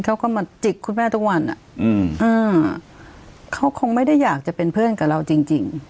เขาก็มาจิกคุณแม่ทุกวันอ่ะอืมอ่าเขาคงไม่ได้อยากจะเป็นเพื่อนกับเราจริงจริง